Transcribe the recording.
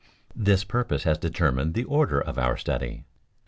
This purpose has determined the order of our study.